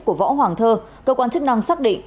của võ hoàng thơ cơ quan chức năng xác định